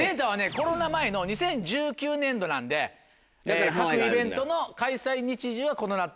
コロナ前の２０１９年度なんで各イベントの開催日時は異なっていますけども。